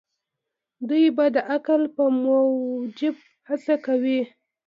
دوی به د عقل په موجب هڅه کوي.